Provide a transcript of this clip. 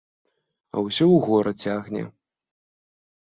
А ўсё ў горад цягне.